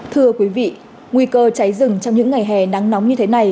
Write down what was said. thưa quý vị nguy cơ cháy rừng trong những ngày hè nắng nóng như thế này